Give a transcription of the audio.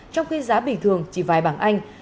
trong khi giá bình thường chỉ vài bảng anh